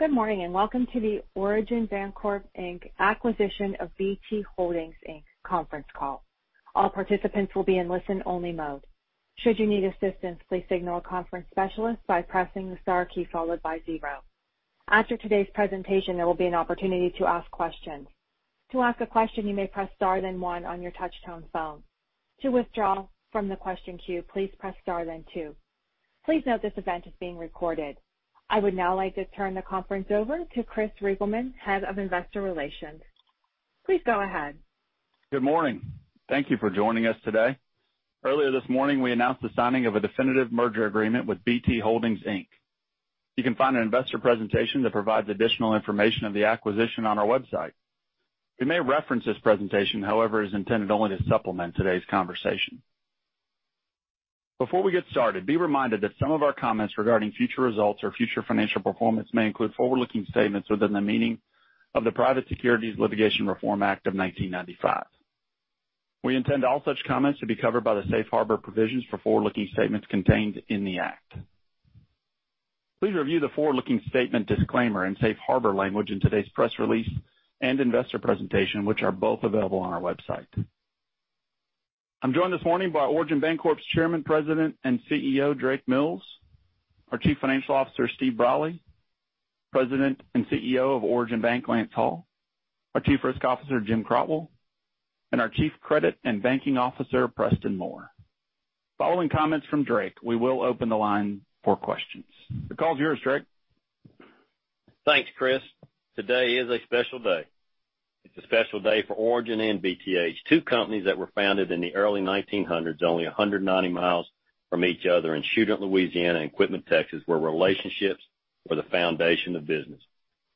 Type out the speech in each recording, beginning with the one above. Good morning, and welcome to the Origin Bancorp, Inc. acquisition of BT Holdings, Inc. conference call. All participants will be in listen-only mode. Should you need assistance, please signal a conference specialist by pressing the star key followed by zero. After today's presentation, there will be an opportunity to ask questions. To ask a question, you may press star then one on your touchtone phone. To withdraw from the question queue, please press star then two. Please note this event is being recorded. I would now like to turn the conference over to Chris Reigelman, Head of Investor Relations. Please go ahead. Good morning. Thank you for joining us today. Earlier this morning, we announced the signing of a definitive merger agreement with BT Holdings, Inc. You can find an investor presentation that provides additional information of the acquisition on our website. We may reference this presentation, however, it is intended only to supplement today's conversation. Before we get started, be reminded that some of our comments regarding future results or future financial performance may include forward-looking statements within the meaning of the Private Securities Litigation Reform Act of 1995. We intend all such comments to be covered by the safe harbor provisions for forward-looking statements contained in the Act. Please review the forward-looking statement disclaimer and safe harbor language in today's press release and investor presentation, which are both available on our website. I'm joined this morning by Origin Bancorp's Chairman, President, and CEO, Drake Mills, our Chief Financial Officer, Steve Brolly, President and CEO of Origin Bank, Lance Hall, our Chief Risk Officer, Jim Crotwell, and our Chief Credit and Banking Officer, Preston Moore. Following comments from Drake, we will open the line for questions. The call is yours, Drake. Thanks, Chris. Today is a special day. It's a special day for Origin and BTH, two companies that were founded in the early 1900s, only 190 mi from each other in Shreveport, Louisiana, and Quitman, Texas, where relationships were the foundation of business.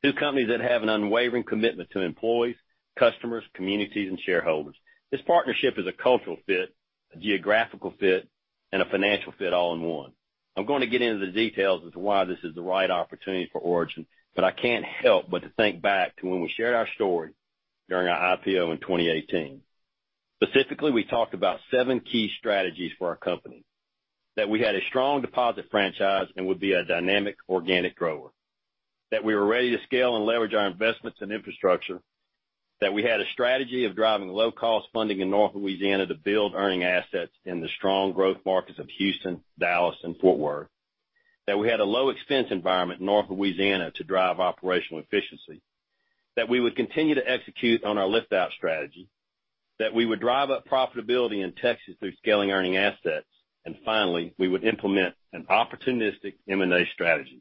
Two companies that have an unwavering commitment to employees, customers, communities, and shareholders. This partnership is a cultural fit, a geographical fit, and a financial fit all in one. I'm going to get into the details as to why this is the right opportunity for Origin, but I can't help but to think back to when we shared our story during our IPO in 2018. Specifically, we talked about seven key strategies for our company. That we had a strong deposit franchise and would be a dynamic organic grower. That we were ready to scale and leverage our investments in infrastructure. That we had a strategy of driving low-cost funding in North Louisiana to build earning assets in the strong growth markets of Houston, Dallas, and Fort Worth. That we had a low expense environment in North Louisiana to drive operational efficiency. That we would continue to execute on our lift-out strategy, that we would drive up profitability in Texas through scaling earning assets, and finally, we would implement an opportunistic M&A strategy.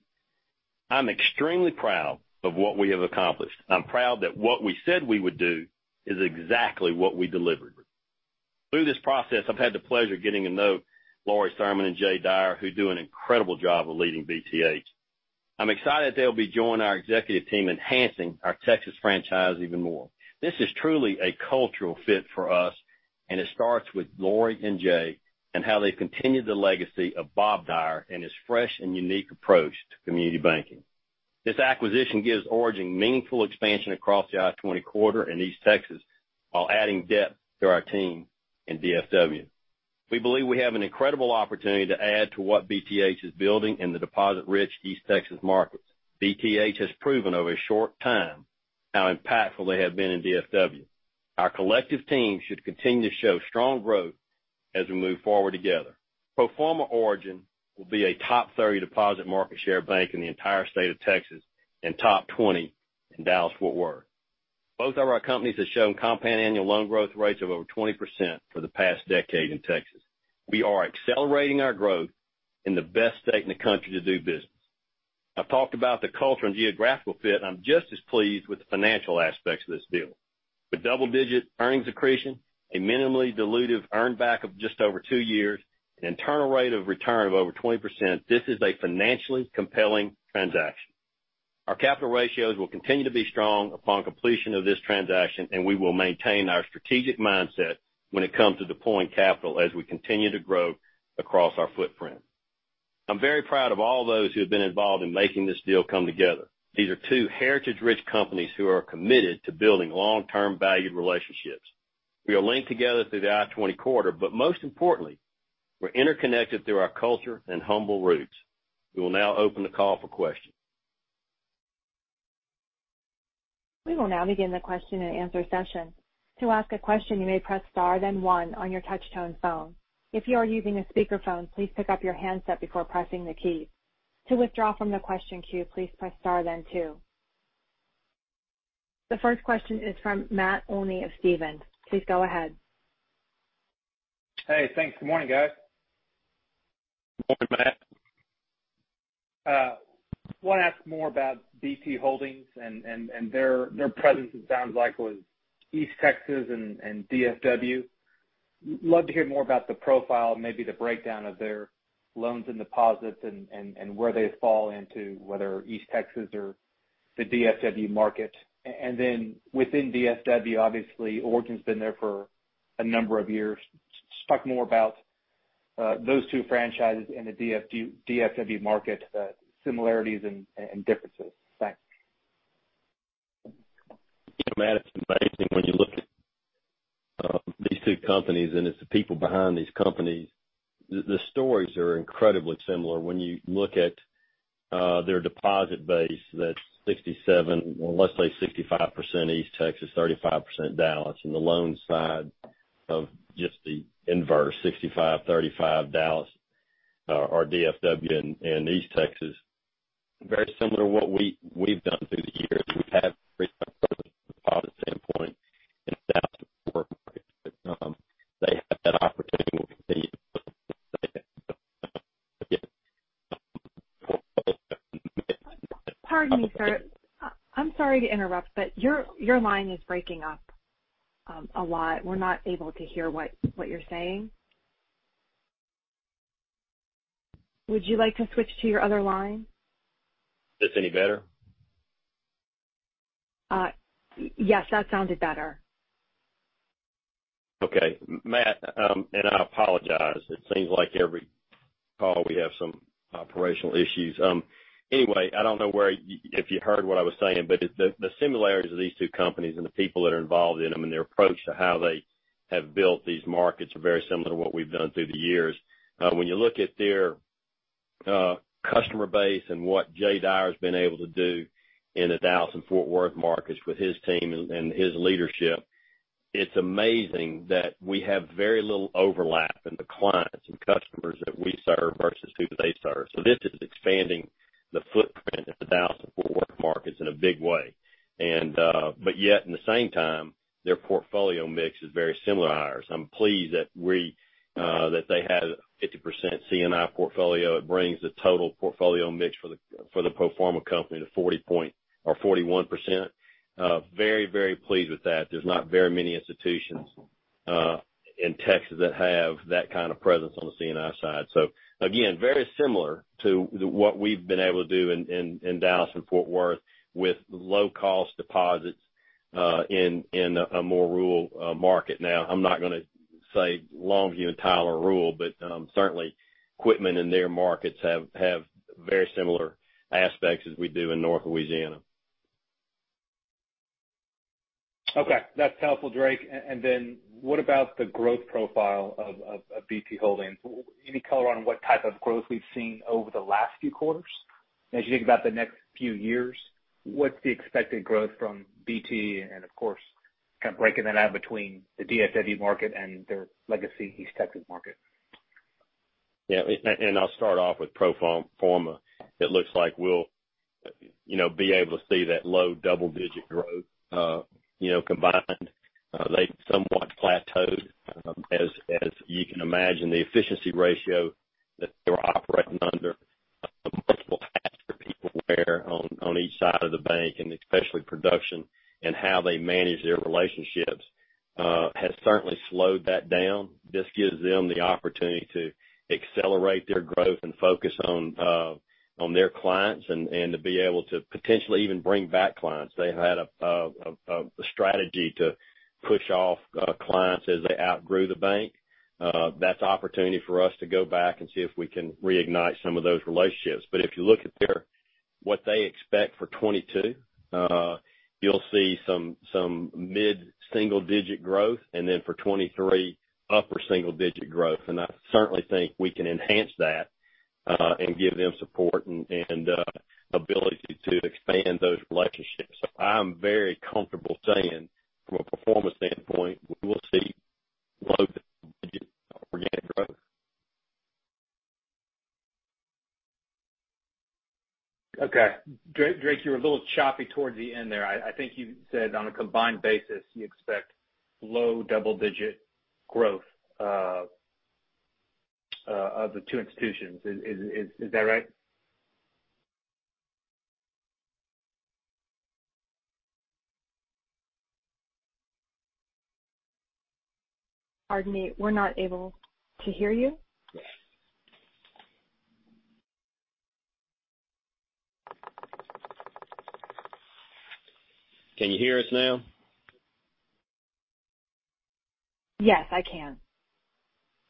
I'm extremely proud of what we have accomplished. I'm proud that what we said we would do is exactly what we delivered. Through this process, I've had the pleasure of getting to know Lori Sirman and Jay Dyer, who do an incredible job of leading BTH. I'm excited they'll be joining our executive team, enhancing our Texas franchise even more. This is truly a cultural fit for us, and it starts with Lori and Jay and how they've continued the legacy of Bob Dyer and his fresh and unique approach to community banking. This acquisition gives Origin meaningful expansion across the I-20 Corridor in East Texas while adding depth to our team in DFW. We believe we have an incredible opportunity to add to what BTH is building in the deposit-rich East Texas markets. BTH has proven over a short time how impactful they have been in DFW. Our collective team should continue to show strong growth as we move forward together. Pro forma Origin will be a top 30 deposit market share bank in the entire state of Texas and top 20 in Dallas/Fort Worth. Both of our companies have shown compound annual loan growth rates of over 20% for the past decade in Texas. We are accelerating our growth in the best state in the country to do business. I've talked about the culture and geographical fit. I'm just as pleased with the financial aspects of this deal. With double-digit earnings accretion, a minimally dilutive earn back of just over two years, an internal rate of return of over 20%, this is a financially compelling transaction. Our capital ratios will continue to be strong upon completion of this transaction, and we will maintain our strategic mindset when it comes to deploying capital as we continue to grow across our footprint. I'm very proud of all those who have been involved in making this deal come together. These are two heritage-rich companies who are committed to building long-term valued relationships. We are linked together through the I-20 Corridor, but most importantly, we're interconnected through our culture and humble roots. We will now open the call for questions. We will now begin the Q&A session. To ask a question, you may press star then one on your touchtone phone. If you are using a speakerphone, please pick up your handset before pressing the key. To withdraw from the question queue, please press star then two. The first question is from Matt Olney of Stephens. Please go ahead. Hey, thanks. Good morning, guys. Good morning, Matt. Want to ask more about BT Holdings and their presence, it sounds like, was East Texas and DFW. Love to hear more about the profile, maybe the breakdown of their loans and deposits and where they fall into whether East Texas or the DFW market. And then within DFW, obviously, Origin's been there for a number of years. Speak more about those two franchises in the DFW market, similarities and differences. Thanks. Matt, it's amazing when you look at these two companies and it's the people behind these companies, the stories are incredibly similar. When you look at their deposit base, that's 67%, well, let's say 65% East Texas, 35% Dallas. The loan side of just the inverse, 65, 35 Dallas, or DFW in East Texas. Very similar to what we've done through the years. We have... Pardon me, sir. I'm sorry to interrupt, but your line is breaking up a lot. We're not able to hear what you're saying. Would you like to switch to your other line? This any better? Yes, that sounded better. Okay. Matt, I apologize, it seems like every call we have some operational issues. Anyway, I don't know if you heard what I was saying, but the similarities of these two companies and the people that are involved in them and their approach to how they have built these markets are very similar to what we've done through the years. When you look at their customer base and what Jay Dyer's been able to do in the Dallas and Fort Worth markets with his team and his leadership, it's amazing that we have very little overlap in the clients and customers that we serve versus who they serve. This is expanding the footprint of the Dallas and Fort Worth markets in a big way. But yet in the same time, their portfolio mix is very similar to ours. I'm pleased that they had a 50% C&I portfolio. It brings the total portfolio mix for the pro forma company to 40% or 41%. Very pleased with that. There's not very many institutions in Texas that have that kind of presence on the C&I side. Very similar to what we've been able to do in Dallas and Fort Worth with low-cost deposits in a more rural market. Now, I'm not gonna say Longview and Tyler are rural, but certainly Quitman and their markets have very similar aspects as we do in North Louisiana. Okay. That's helpful, Drake. And then what about the growth profile of BT Holdings? Any color on what type of growth we've seen over the last few quarters? As you think about the next few years, what's the expected growth from BT? Of course, kind of breaking that out between the DFW market and their legacy East Texas market. I'll start off with pro forma. It looks like we'll, you know, be able to see that low double-digit growth, you know, combined. They somewhat plateaued. As you can imagine, the efficiency ratio that they're operating under, multiple hats for people to wear on each side of the bank, and especially production and how they manage their relationships, has certainly slowed that down. This gives them the opportunity to accelerate their growth and focus on their clients and to be able to potentially even bring back clients. They had a strategy to push off clients as they outgrew the bank. That's an opportunity for us to go back and see if we can reignite some of those relationships. If you look at what they expect for 2022, you'll see some mid-single digit growth, and then for 2023, upper single digit growth. I certainly think we can enhance that, and give them support and ability to expand those relationships. I'm very comfortable saying from a pro forma standpoint, we will see low double-digit organic growth. Okay. Drake, you were a little choppy towards the end there. I think you said on a combined basis, you expect low double-digit growth of the two institutions. Is that right? Pardon me. We're not able to hear you. Can you hear us now? Yes, I can.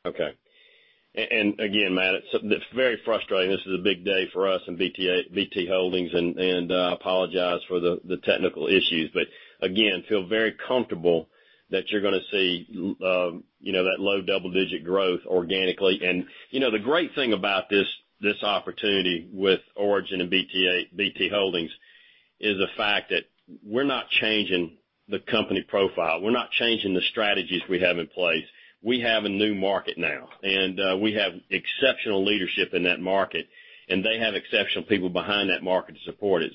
Okay. Again, Matt, it's very frustrating. This is a big day for us and BT Holdings. Apologize for the technical issues. Again, feel very comfortable that you're gonna see that low double-digit growth organically. The great thing about this opportunity with Origin and BT Holdings is the fact that we're not changing the company profile. We're not changing the strategies we have in place. We have a new market now. We have exceptional leadership in that market, and they have exceptional people behind that market to support it.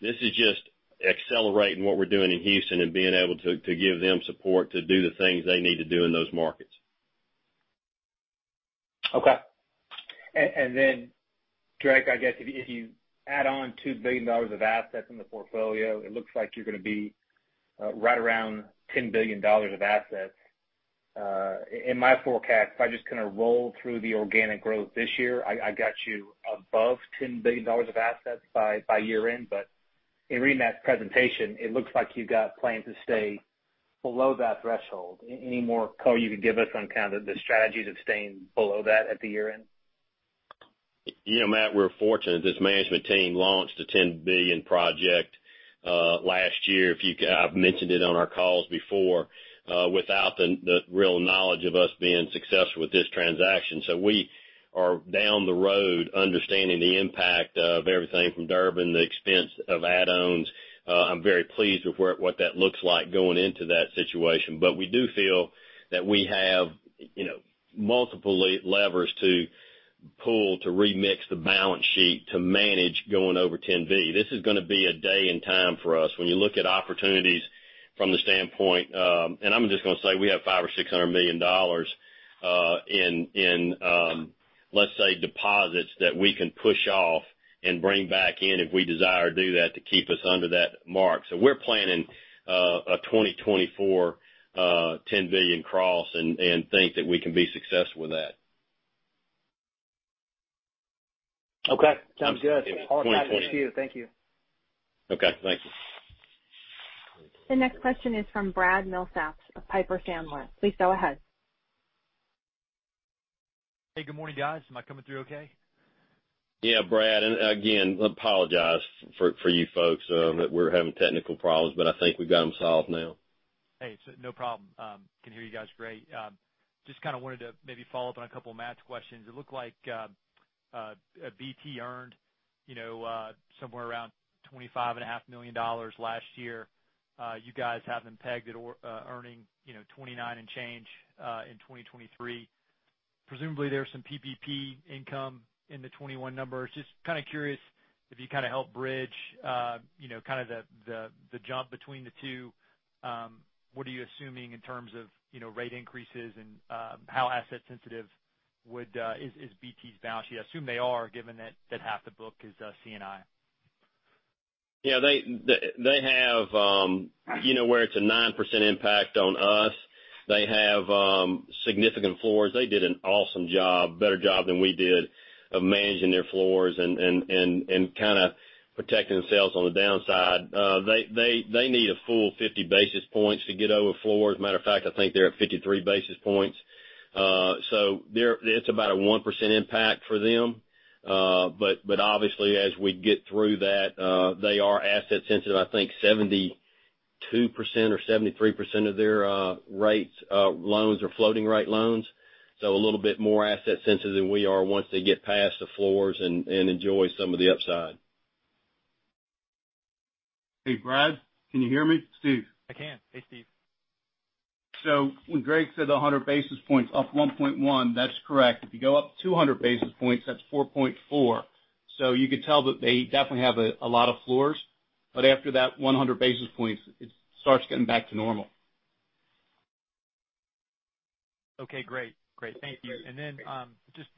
This is just accelerating what we're doing in Houston and being able to give them support to do the things they need to do in those markets. Okay. Then, Drake, I guess if you add on $2 billion of assets in the portfolio, it looks like you're gonna be right around $10 billion of assets. In my forecast, if I just kinda roll through the organic growth this year, I got you above $10 billion of assets by year-end. In reading that presentation, it looks like you've got plans to stay below that threshold. Any more color you could give us on kind of the strategies of staying below that at the year-end? Yeah, Matt, we're fortunate. This management team launched a $10 billion project last year. I've mentioned it on our calls before, without the real knowledge of us being successful with this transaction. We are down the road understanding the impact of everything from Durbin, the expense of add-ons. I'm very pleased with what that looks like going into that situation. We do feel that we have, you know, multiple levers to pull to remix the balance sheet to manage going over $10 billion. This is gonna be a day and time for us. When you look at opportunities from the standpoint. I'm just gonna say we have $500 million-$600 million in, let's say, deposits that we can push off and bring back in if we desire to do that to keep us under that mark. We're planning a 2024 $10 billion cross and think that we can be successful with that. Okay. Sounds good. I'll pass it to you. Thank you. Okay. Thank you. The next question is from Brad Milsaps of Piper Sandler. Please go ahead. Hey, good morning, guys. Am I coming through okay? Yeah, Brad. Again, apologize for you folks that we're having technical problems, but I think we got them solved now. Hey, no problem. I can hear you guys great. Just kinda wanted to maybe follow up on a couple of Matt's questions. It looked like BT earned, you know, somewhere around $25.5 million last year. You guys have them pegged at earning, you know, $29 million and change in 2023. Presumably, there's some PPP income in the 2021 numbers. Just kinda curious if you kinda help bridge, you know, kind of the jump between the two. What are you assuming in terms of, you know, rate increases and how asset sensitive is BT's balance sheet? I assume they are, given that half the book is C&I. Yeah, they have, you know, where it's a 9% impact on us, they have significant floors. They did an awesome job, better job than we did of managing their floors and kinda protecting themselves on the downside. They need a full 50 basis points to get over floors. Matter of fact, I think they're at 53 basis points. So, it's about a 1% impact for them. Obviously, as we get through that, they are asset sensitive. I think 72% or 73% of their rate loans are floating rate loans, so a little bit more asset sensitive than we are once they get past the floors and enjoy some of the upside. Hey, Brad, can you hear me? Steve. I can. Hey, Steve. When Drake said 100 basis points up 1.1, that's correct. If you go up 200 basis points, that's 4.4. You could tell that they definitely have a lot of floors. After that 100 basis points, it starts getting back to normal. Okay, great. Great. Thank you. Then,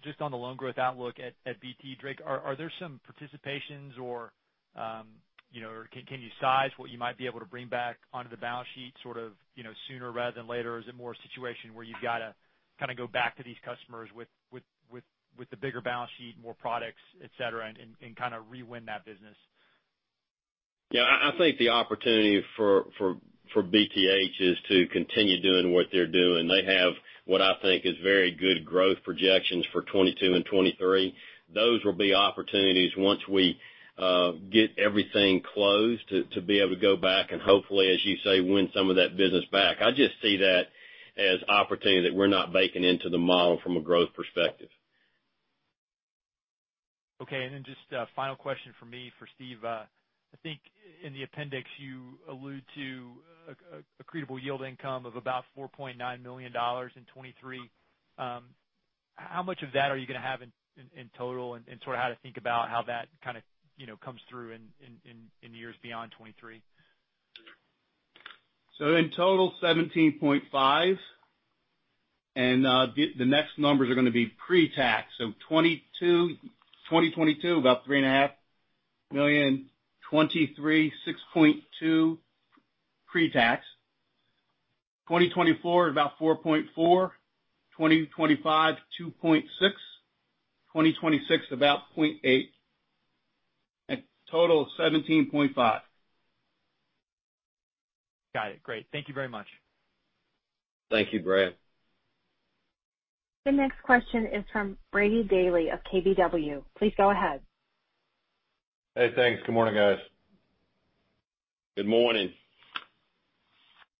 just on the loan growth outlook at BT, Drake, are there some participations or, you know, or can you size what you might be able to bring back onto the balance sheet sort of, you know, sooner rather than later? Or is it more a situation where you've got to kind of go back to these customers with the bigger balance sheet, more products, et cetera, and kind of re-win that business? Yeah, I think the opportunity for BTH is to continue doing what they're doing. They have what I think is very good growth projections for 2022 and 2023. Those will be opportunities once we get everything closed to be able to go back and hopefully, as you say, win some of that business back. I just see that as opportunity that we're not baking into the model from a growth perspective. Okay. Just a final question from me for Steve. I think in the appendix, you allude to accruable yield income of about $4.9 million in 2023. How much of that are you gonna have in total and sort of how to think about how that comes through in years beyond 2023? In total, $17.5 million. The next numbers are gonna be pre-tax. 2022, about $3.5 million. 2023, $6.2 million pre-tax. 2024, about $4.4 million. 2025, $2.6 million. 2026, about $0.8 million. A total of $17.5 million. Got it. Great. Thank you very much. Thank you, Brad. The next question is from Brady Gailey of KBW. Please go ahead. Hey, thanks. Good morning, guys. Good morning.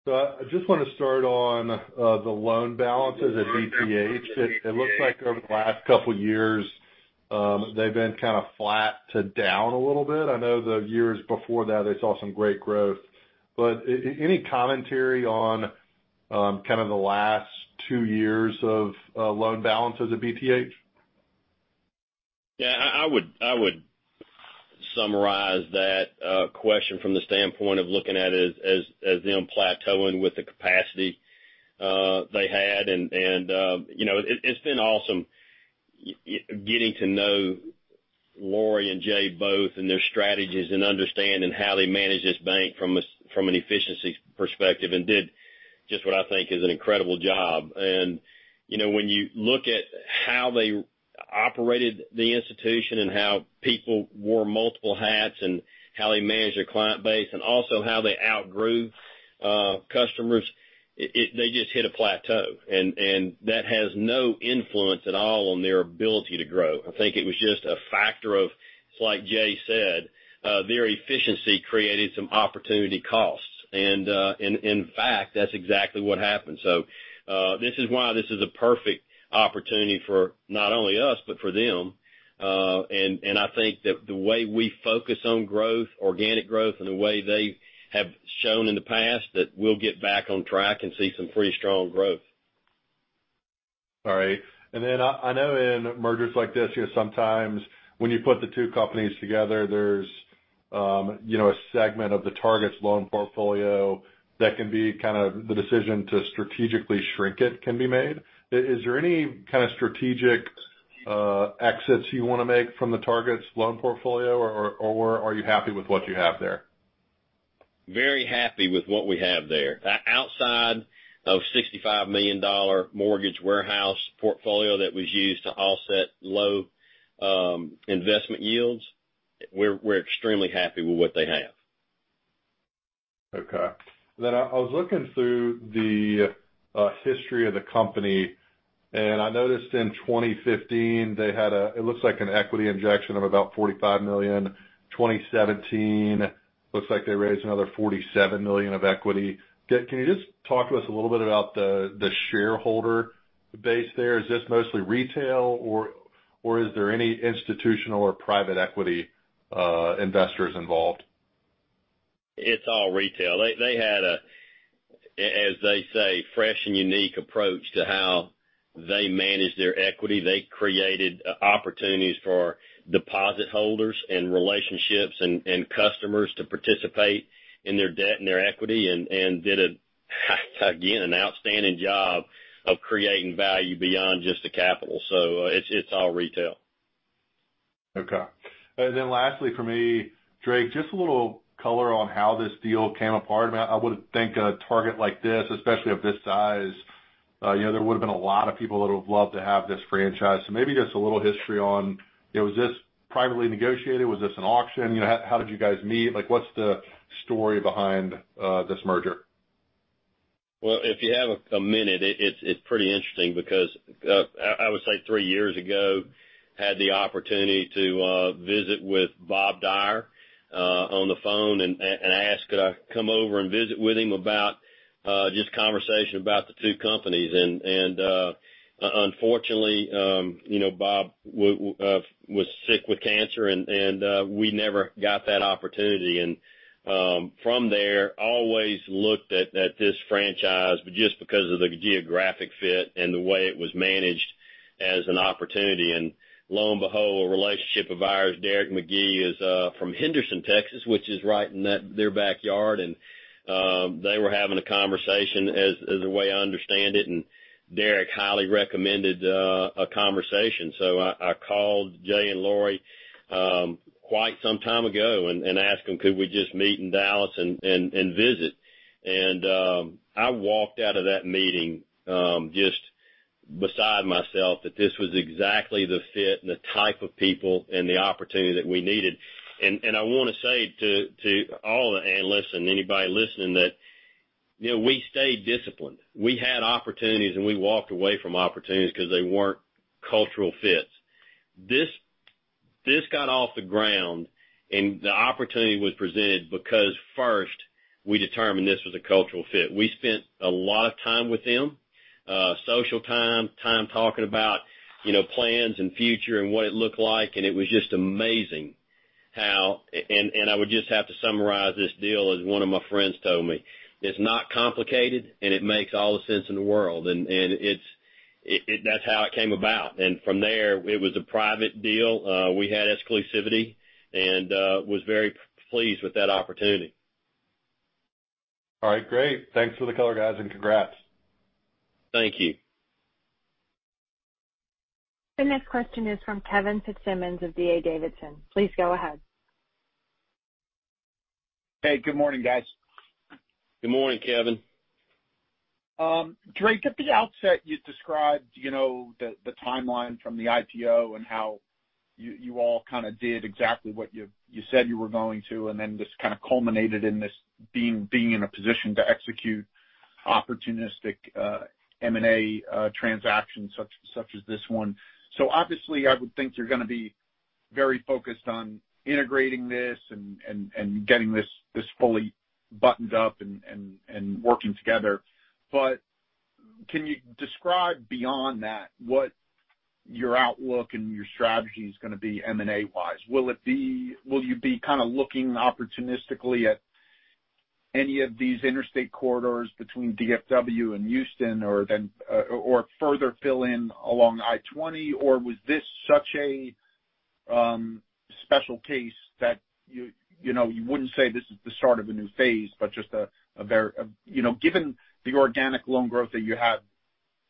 I just want to start on the loan balances at BTH. It looks like over the last couple years, they've been kind of flat to down a little bit. I know the years before that, they saw some great growth. Any commentary on kind of the last two years of loan balances at BTH? Yeah, I would summarize that question from the standpoint of looking at it as them plateauing with the capacity they had. You know, it's been awesome getting to know Lori and Jay both and their strategies and understanding how they manage this bank from an efficiency perspective, and did just what I think is an incredible job. You know, when you look at how they operated the institution and how people wore multiple hats and how they managed their client base and also how they outgrew customers. They just hit a plateau, and that has no influence at all on their ability to grow. I think it was just a factor of, it's like Jay said, their efficiency created some opportunity costs and, in fact, that's exactly what happened. This is why this is a perfect opportunity for not only us, but for them. I think that the way we focus on growth, organic growth and the way they have shown in the past that we'll get back on track and see some pretty strong growth. All right. I know in mergers like this, you know, sometimes when you put the two companies together, there's, you know, a segment of the target's loan portfolio that can be kind of the decision to strategically shrink it can be made. Is there any kind of strategic, exits you wanna make from the target's loan portfolio, or are you happy with what you have there? Very happy with what we have there. Outside of $65 million mortgage warehouse portfolio that was used to offset low investment yields, we're extremely happy with what they have. Okay. I was looking through the history of the company, and I noticed in 2015, they had, it looks like, an equity injection of about $45 million. 2017, looks like they raised another $47 million of equity. Can you just talk to us a little bit about the shareholder base there? Is this mostly retail or is there any institutional or private equity investors involved? It's all retail. They had, as they say, a fresh and unique approach to how they manage their equity. They created opportunities for deposit holders and relationships and customers to participate in their debt and their equity, and did, again, an outstanding job of creating value beyond just the capital. It's all retail. Okay. Lastly for me, Drake, just a little color on how this deal came apart. I would think a target like this, especially of this size, you know, there would've been a lot of people that would love to have this franchise. Maybe just a little history on, you know, was this privately negotiated? Was this an auction? You know, how did you guys meet? Like, what's the story behind this merger? Well, if you have a minute, it's pretty interesting because I would say three years ago, had the opportunity to visit with Bob Dyer on the phone and ask could I come over and visit with him about just conversation about the two companies. Unfortunately, you know, Bob was sick with cancer, and we never got that opportunity. From there, always looked at this franchise just because of the geographic fit and the way it was managed as an opportunity. Lo and behold, a relationship of ours, Derek McGee, is from Henderson, Texas, which is right in that their backyard. They were having a conversation, as the way I understand it, and Derek highly recommended a conversation. I called Jay and Lori quite some time ago and asked them could we just meet in Dallas and visit. I walked out of that meeting just beside myself that this was exactly the fit and the type of people and the opportunity that we needed. I wanna say to all analysts and anybody listening that you know we stayed disciplined. We had opportunities, and we walked away from opportunities because they weren't cultural fits. This got off the ground and the opportunity was presented because first we determined this was a cultural fit. We spent a lot of time with them, social time talking about you know plans and future and what it looked like. It was just amazing and I would just have to summarize this deal as one of my friends told me, it's not complicated, and it makes all the sense in the world. That's how it came about. From there, it was a private deal. We had exclusivity and was very pleased with that opportunity. All right, great. Thanks for the color, guys, and congrats. Thank you. The next question is from Kevin Fitzsimmons of D.A. Davidson. Please go ahead. Hey, good morning, guys. Good morning, Kevin. Drake, at the outset, you described, you know, the timeline from the IPO and how you all kind of did exactly what you said you were going to, and then this kind of culminated in this being in a position to execute opportunistic M&A transactions such as this one. So obviously, I would think you're gonna be very focused on integrating this and getting this fully buttoned up and working together. But can you describe beyond that what your outlook and your strategy is gonna be M&A-wise? Will you be kind of looking opportunistically at any of these interstate corridors between DFW and Houston or further fill in along I-20? Was this such a special case that you know you wouldn't say this is the start of a new phase? You know, given the organic loan growth that you have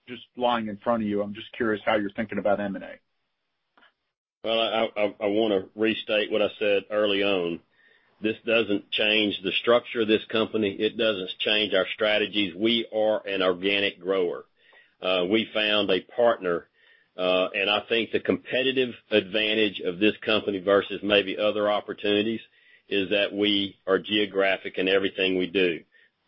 just lying in front of you, I'm just curious how you're thinking about M&A? Well, I wanna restate what I said early on. This doesn't change the structure of this company. It doesn't change our strategies. We are an organic grower. We found a partner, and I think the competitive advantage of this company versus maybe other opportunities is that we are geographic in everything we do.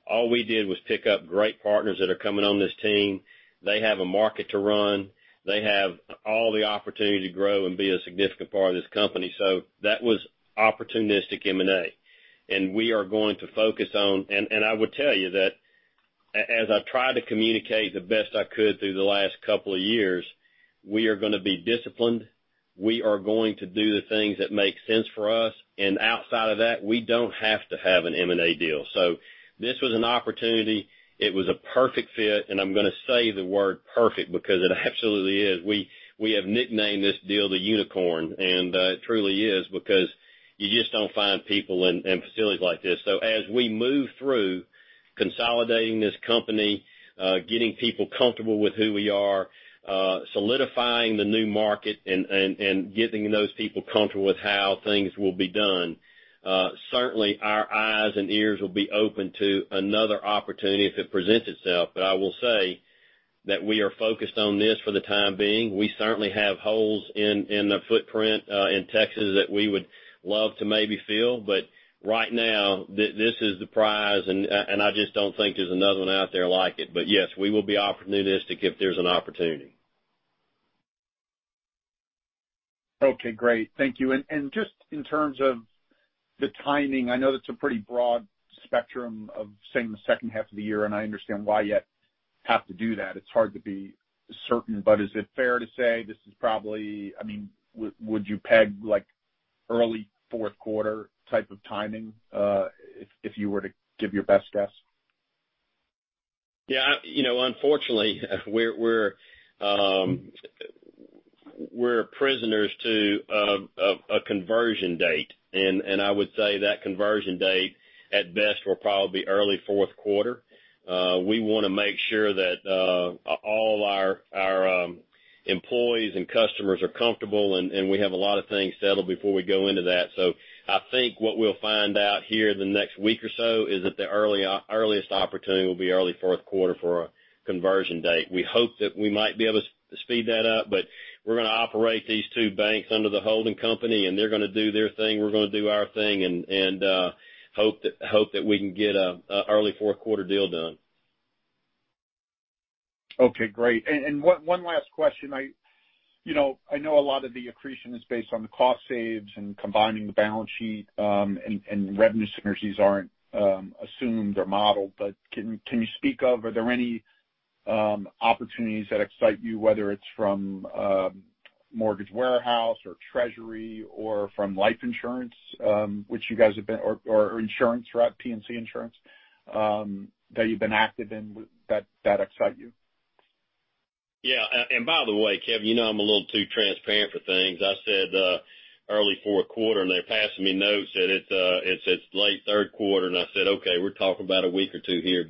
All we did was pick up great partners that are coming on this team. They have a market to run. They have all the opportunity to grow and be a significant part of this company. So that was opportunistic M&A, and we are going to focus on. I would tell you that as I've tried to communicate the best I could through the last couple of years, we are gonna be disciplined. We are going to do the things that make sense for us, and outside of that, we don't have to have an M&A deal. This was an opportunity. It was a perfect fit, and I'm gonna say the word perfect because it absolutely is. We have nicknamed this deal the Unicorn, and it truly is because you just don't find people and facilities like this. As we move through consolidating this company, getting people comfortable with who we are, solidifying the new market and getting those people comfortable with how things will be done, certainly our eyes and ears will be open to another opportunity if it presents itself. I will say that we are focused on this for the time being. We certainly have holes in the footprint in Texas that we would love to maybe fill, but right now this is the prize and I just don't think there's another one out there like it. Yes, we will be opportunistic if there's an opportunity. Okay, great. Thank you. Just in terms of the timing, I know that's a pretty broad spectrum of saying the second half of the year, and I understand why you have to do that. It's hard to be certain. Is it fair to say this is probably, I mean, would you peg like early fourth quarter type of timing, if you were to give your best guess? Yeah, you know, unfortunately, we're prisoners to a conversion date. I would say that conversion date at best will probably early fourth quarter. We wanna make sure that all our employees and customers are comfortable and we have a lot of things settled before we go into that. I think what we'll find out here in the next week or so is that the earliest opportunity will be early fourth quarter for a conversion date. We hope that we might be able to speed that up, but we're gonna operate these two banks under the holding company, and they're gonna do their thing, we're gonna do our thing, and hope that we can get a early fourth quarter deal done. Okay, great. One last question. You know, I know a lot of the accretion is based on the cost savings and combining the balance sheet, and revenue synergies aren't assumed or modeled, but can you speak to, are there any opportunities that excite you, whether it's from mortgage warehouse or treasury or from life insurance or insurance, right, BancorpSouth Insurance, that you've been active in that excite you? Yeah. By the way, Kevin, you know I'm a little too transparent for things. I said early fourth quarter, and they're passing me notes that it's late third quarter. I said, "Okay, we're talking about a week or two here."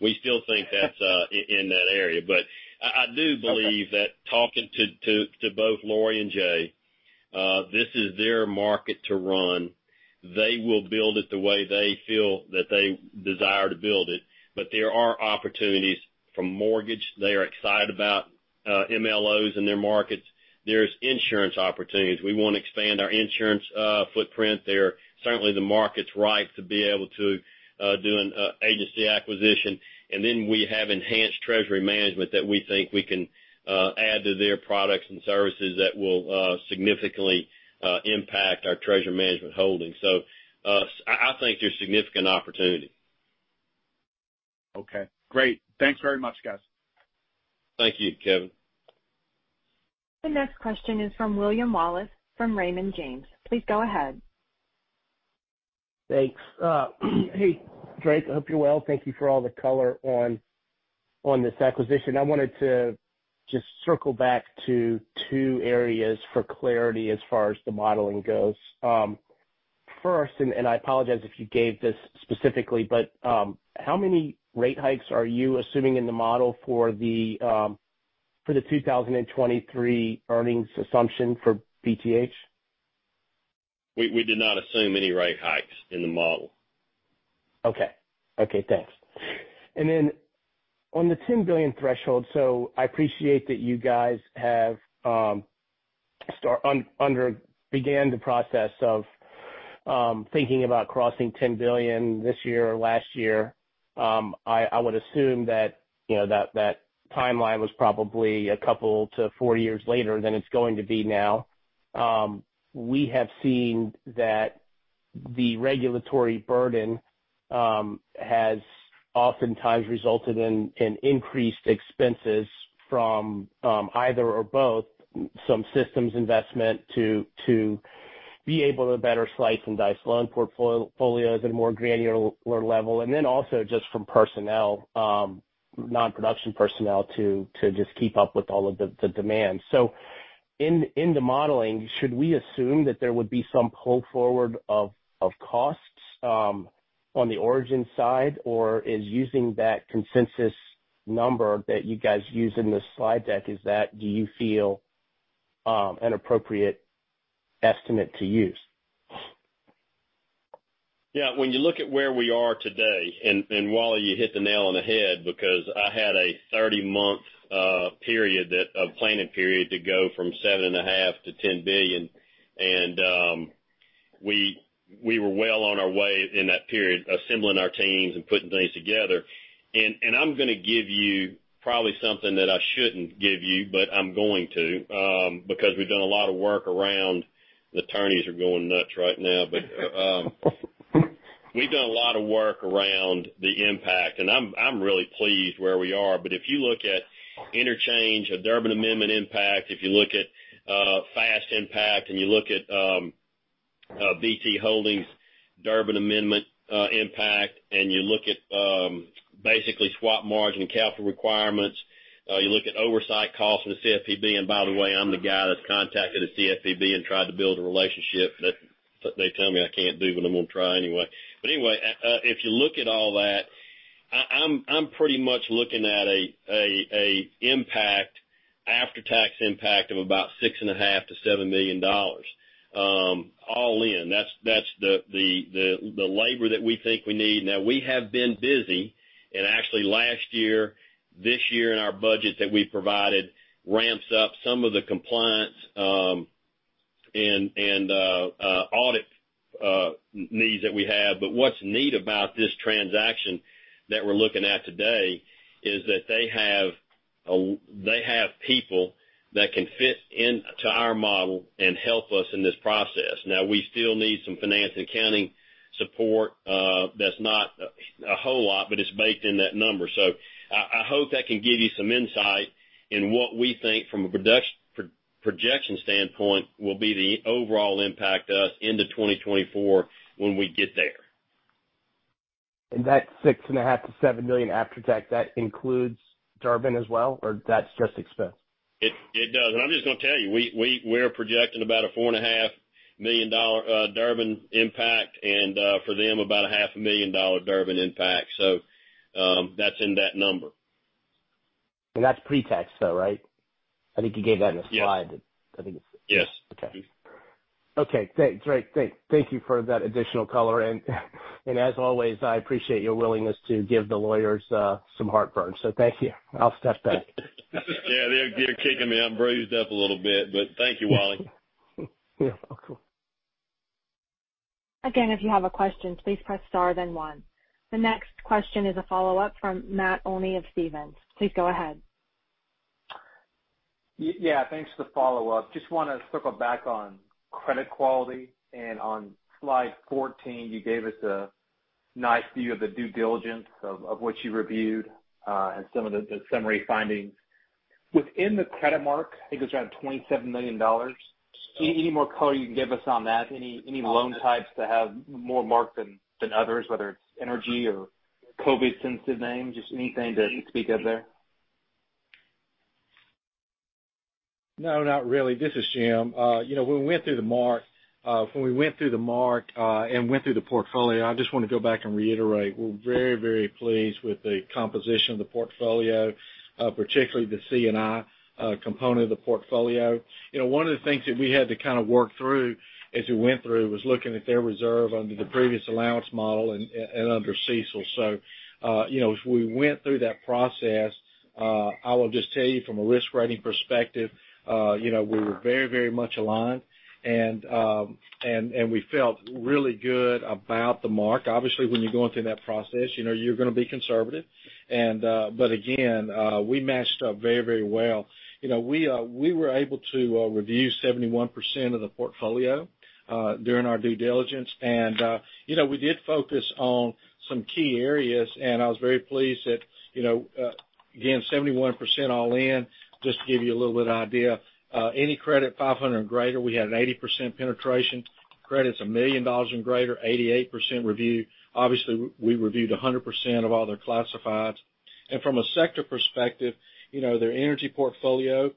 We still think that's in that area. I do believe that talking to both Lori and Jay, this is their market to run. They will build it the way they feel that they desire to build it. There are opportunities from mortgage. They are excited about MLOs in their markets. There's insurance opportunities. We want to expand our insurance footprint there. Certainly, the market's right to be able to do an agency acquisition. We have enhanced treasury management that we think we can add to their products and services that will significantly impact our treasury management holdings. I think there's significant opportunity. Okay, great. Thanks very much, guys. Thank you, Kevin. The next question is from William Wallace from Raymond James. Please go ahead. Thanks. Hey, Drake. I hope you're well. Thank you for all the color on this acquisition. I wanted to just circle back to two areas for clarity as far as the modeling goes. First, and I apologize if you gave this specifically, but how many rate hikes are you assuming in the model for the 2023 earnings assumption for BTH? We did not assume any rate hikes in the model. Okay, thanks. On the $10 billion threshold, I appreciate that you guys have begun the process of thinking about crossing $10 billion this year or last year. I would assume that you know that timeline was probably a couple to four years later than it's going to be now. We have seen that the regulatory burden has oftentimes resulted in increased expenses from either or both some systems investment to be able to better slice and dice loan portfolios at a more granular level. Also just from personnel, non-production personnel to just keep up with all of the demand. In the modeling, should we assume that there would be some pull forward of costs on the Origin side, or is using that consensus number that you guys use in this slide deck, is that do you feel an appropriate estimate to use? Yeah. When you look at where we are today, and Willie, you hit the nail on the head because I had a 30-month period of planning to go from $7.5 billion-$10 billion. We were well on our way in that period, assembling our teams and putting things together. I'm gonna give you probably something that I shouldn't give you, but I'm going to because we've done a lot of work around the impact. The attorneys are going nuts right now. We've done a lot of work around the impact, and I'm really pleased where we are. If you look at interchange, a Durbin Amendment impact, if you look at past impact and you look at BT Holdings Durbin Amendment impact, and you look at basically swap margin capital requirements, you look at oversight costs from the CFPB, and by the way, I'm the guy that's contacted the CFPB and tried to build a relationship that they tell me I can't do, but I'm gonna try anyway. Anyway, if you look at all that, I'm pretty much looking at an impact, after-tax impact of about $6.5 million-$7 million, all in. That's the latter that we think we need. Now, we have been busy, and actually last year, this year in our budget that we provided ramps up some of the compliance and audit needs that we have. What's neat about this transaction that we're looking at today is that they have people that can fit into our model and help us in this process. Now, we still need some finance and accounting support, that's not a whole lot, but it's baked in that number. I hope that can give you some insight into what we think from a projection standpoint will be the overall impact to us into 2024 when we get there. $6.5 million-$7 million after tax, that includes Durbin as well, or that's just expense? It does. I'm just gonna tell you, we're projecting about a $4.5 million Durbin impact and for them about a $0.5 million Durbin impact. That's in that number. That's pre-tax though, right? I think you gave that in a slide. Yeah. I think it's. Yes. Okay. Great. Thank you for that additional color. As always, I appreciate your willingness to give the lawyers some heartburn. Thank you. I'll step back. Yeah, they're kicking me. I'm bruised up a little bit, but thank you, Wallace. Yeah. Cool. Again, if you have a question, please press star then one. The next question is a follow-up from Matt Olney of Stephens. Please go ahead. Yeah, thanks for the follow-up. Just wanna circle back on credit quality. On slide 14, you gave us a nice view of the due diligence of what you reviewed and some of the summary findings. Within the credit mark, I think it's around $27 million. Any more color you can give us on that? Any loan types that have more mark than others, whether it's energy or COVID-sensitive names, just anything to speak of there? No, not really. This is Jim. You know, when we went through the mark and went through the portfolio, I just wanna go back and reiterate, we're very, very pleased with the composition of the portfolio, particularly the C&I component of the portfolio. You know, one of the things that we had to kind of work through as we went through was looking at their reserve under the previous allowance model and under CECL. You know, as we went through that process, I will just tell you from a risk rating perspective, you know, we were very, very much aligned, and we felt really good about the mark. Obviously, when you're going through that process, you know, you're gonna be conservative and, but again, we matched up very, very well. You know, we were able to review 71% of the portfolio during our due diligence. You know, we did focus on some key areas, and I was very pleased that, you know, again, 71% all in. Just to give you a little bit of idea, any credit 500 or greater, we had an 80% penetration. Credits $1 million and greater, 88% review. Obviously, we reviewed 100% of all their classifieds. From a sector perspective, you know, their energy portfolio,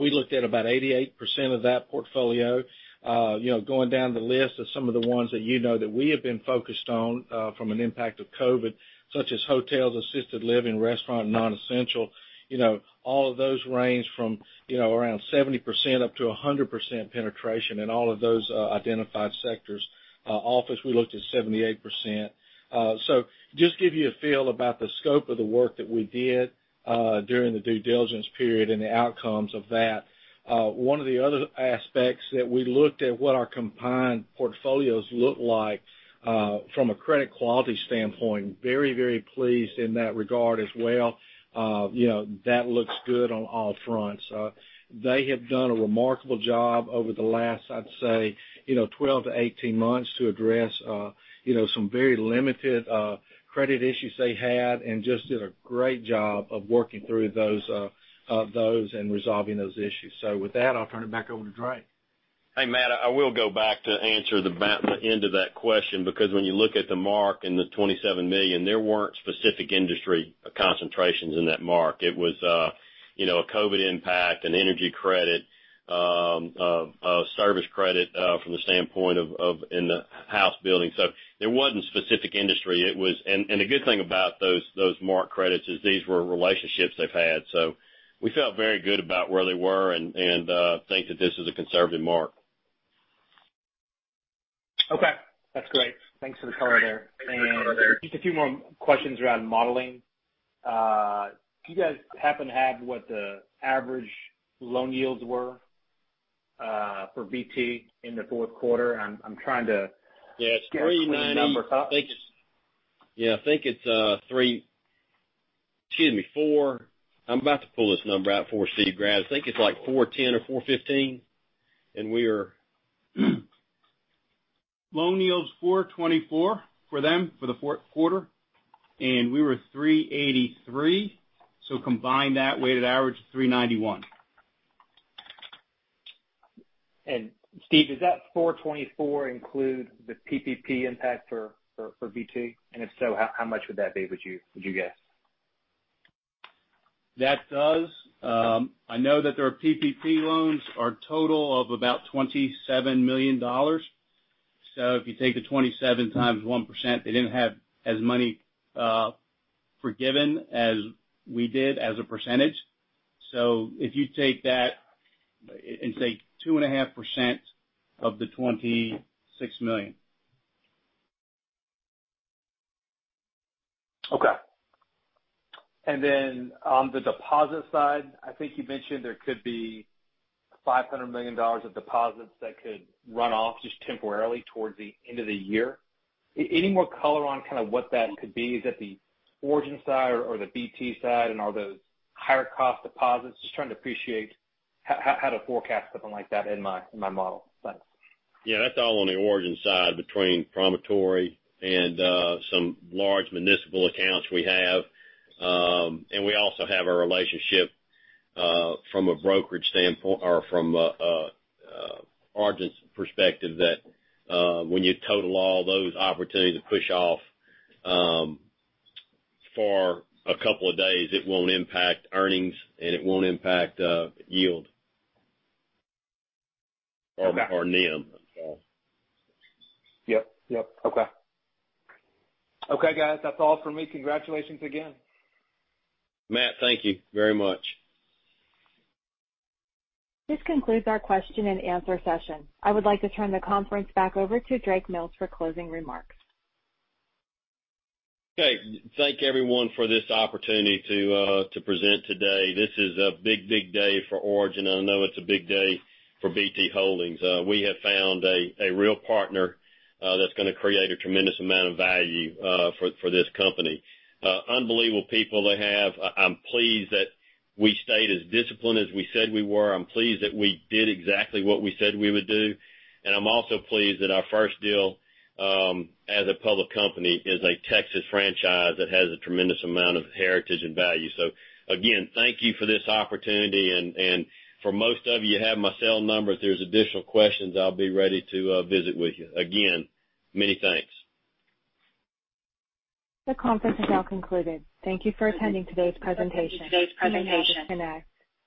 we looked at about 88% of that portfolio. You know, going down the list of some of the ones that you know that we have been focused on, from an impact of COVID, such as hotels, assisted living, restaurant, non-essential, you know, all of those range from, you know, around 70%-100% penetration in all of those, identified sectors. Office, we looked at 78%. So just give you a feel about the scope of the work that we did, during the due diligence period and the outcomes of that. One of the other aspects that we looked at was what our combined portfolios look like, from a credit quality standpoint, very, very pleased in that regard as well. You know, that looks good on all fronts. They have done a remarkable job over the last, I'd say, you know, 12-18 months to address, you know, some very limited credit issues they had and just did a great job of working through those and resolving those issues. With that, I'll turn it back over to Drake. Hey, Matt, I will go back to answer the end of that question because when you look at the mark and the $27 million, there weren't specific industry concentrations in that mark. It was, you know, a COVID impact, an energy credit, a service credit from the standpoint of in the housing. There wasn't specific industry. The good thing about those mark credits is these were relationships they've had. We felt very good about where they were and think that this is a conservative mark. Okay, that's great. Thanks for the color there. Just a few more questions around modeling. Do you guys happen to have what the average loan yields were, for BT in the fourth quarter? I'm trying to... I think it's three to four. I'm about to pull this number out for Steve Brolly. I think it's like 4.10% or 4.15%, and our loan yield is 4.24% for them for the fourth quarter, and we were 3.83%. So combined that weighted average of 3.91%. Steve, does that $424 include the PPP impact for BT? If so, how much would that be, would you guess? That does. I know that their PPP loans are a total of about $27 million. If you take the 27x 1%, they didn't have as much money forgiven as we did as a percentage. If you take that and say 2.5% of the $26 million. Okay. On the deposit side, I think you mentioned there could be $500 million of deposits that could run off just temporarily towards the end of the year. Any more color on kind of what that could be? Is that the Origin side or the BT side, and are those higher cost deposits? Just trying to appreciate how to forecast something like that in my model. Thanks. Yeah, that's all on the Origin side between Promontory and some large municipal accounts we have. We also have a relationship from a brokerage standpoint or from Origin's perspective that when you total all those opportunities to push off for a couple of days, it won't impact earnings and it won't impact yield. Okay. NIM, so. Yep. Okay, guys, that's all for me. Congratulations again. Matt, thank you very much. This concludes our Q%A session. I would like to turn the conference back over to Drake Mills for closing remarks. Okay. Thank everyone for this opportunity to present today. This is a big, big day for Origin, and I know it's a big day for BT Holdings. We have found a real partner that's gonna create a tremendous amount of value for this company. Unbelievable people they have. I'm pleased that we stayed as disciplined as we said we were. I'm pleased that we did exactly what we said we would do. I'm also pleased that our first deal as a public company is a Texas franchise that has a tremendous amount of heritage and value. Again, thank you for this opportunity, and for most of you have my cell number. If there's additional questions, I'll be ready to visit with you. Again, many thanks. The conference has now concluded. Thank you for attending today's presentation.